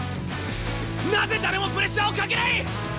なぜ誰もプレッシャーをかけない！？